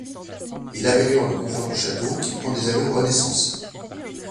Il améliore le confort du château qui prend des allures Renaissance.